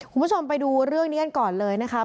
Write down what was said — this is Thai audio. คุณผู้ชมไปดูเรื่องนี้กันก่อนเลยนะครับ